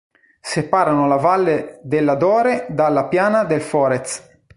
Separano la valle della Dore dalla piana del Forez.